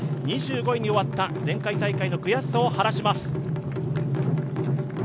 ２５位に終わった前回大会の悔しさを晴らします。